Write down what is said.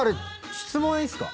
質問いいっすか？